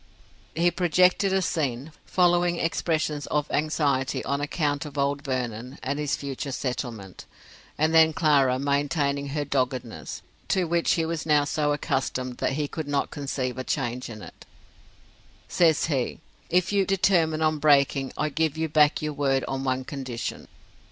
He projected a scene, following expressions of anxiety on account of old Vernon and his future settlement: and then Clara maintaining her doggedness, to which he was now so accustomed that he could not conceive a change in it says he: "If you determine on breaking I give you back your word on one condition."